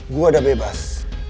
gue udah bebas